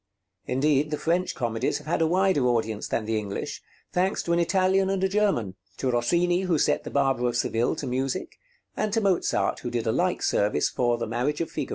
Indeed, the French comedies have had a wider audience than the English, thanks to an Italian and a German, to Rossini who set 'The Barber of Seville' to music, and to Mozart who did a like service for 'The Marriage of Figaro.'